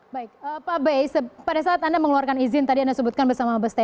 baik pak be pada saat anda mengeluarkan izin tadi anda sebutkan bersama beste